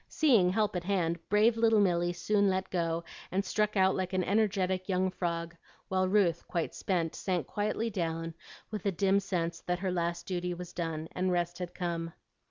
Seeing help at hand, brave little Milly soon let go, and struck out like an energetic young frog, while Ruth, quite spent, sank quietly down, with a dim sense that her last duty was done and rest had come.